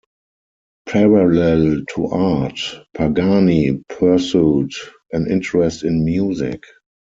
Parallel to art, Pagani pursued an interest in music.